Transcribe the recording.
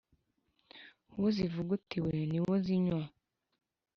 Uwo zivugutiwe ni wo zinywa.